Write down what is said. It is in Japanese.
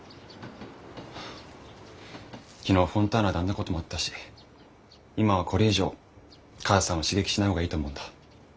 昨日フォンターナであんなこともあったし今はこれ以上母さんを刺激しない方がいいと思うんだ。